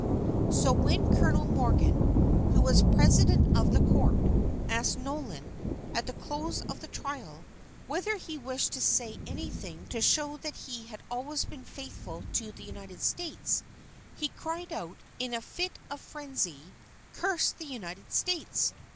So when Colonel Morgan, who was president of the court, asked Nolan, at the close of the trial, whether he wished to say anything to show that he had always been faithful to the United States, he cried out, in a fit of frenzy: "Curse the United States!